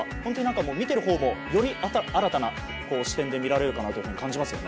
見ているほうも、より新たな視点で見られるかなと感じますけどね。